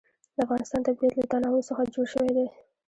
د افغانستان طبیعت له تنوع څخه جوړ شوی دی.